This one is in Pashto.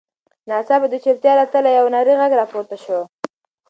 ناڅاپه د چوپتیا له تله یو نرۍ غږ راپورته شو.